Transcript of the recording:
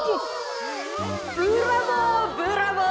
ブラボーブラボー。